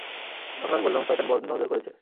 তখন আমি বললাম, শয়তান বদনজর করেছে।